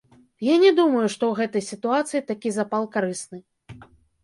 Я не думаю, што ў гэтай сітуацыі такі запал карысны.